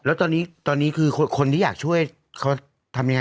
แล้วตอนนี้คือคนที่อยากช่วยเขาทำยังไง